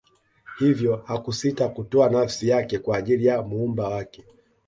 hivyo hakusita kutoa nafsi yake kwa ajili ya muumba wake